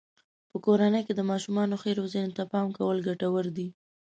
په کورنۍ کې د ماشومانو ښې روزنې ته پام کول ګټور دی.